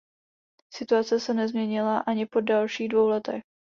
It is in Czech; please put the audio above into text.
Situace se nezměnila ani po dalších dvou letech.